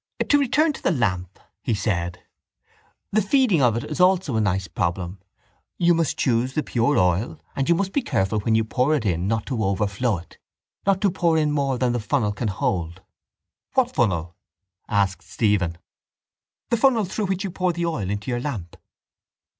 —To return to the lamp, he said, the feeding of it is also a nice problem. You must choose the pure oil and you must be careful when you pour it in not to overflow it, not to pour in more than the funnel can hold. —What funnel? asked Stephen. —The funnel through which you pour the oil into your lamp.